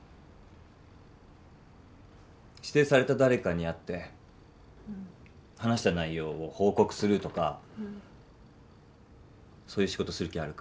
指定された誰かに会って話した内容を報告するとかそういう仕事する気あるか？